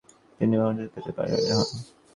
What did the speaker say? তিনি মধ্য তিব্বতের পরবর্তী রাজা হন।